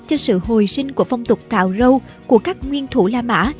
cho sự hồi sinh của phong tục cào râu của các nguyên thủ la mã